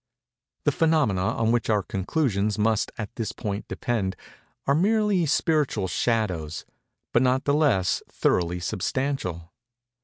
The phænomena on which our conclusions must at this point depend, are merely spiritual shadows, but not the less thoroughly substantial.